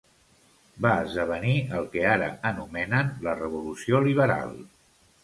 Va esdevenir el que ara anomenen la revolució liberal.